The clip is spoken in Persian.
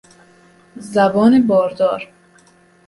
زبان باردار